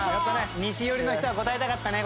西寄りの人は答えたかったね